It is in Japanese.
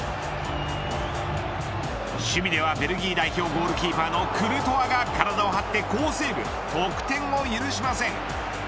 守備では、ベルギー代表ゴールキーパーのクルトワが体を張って好セーブ得点を許しません。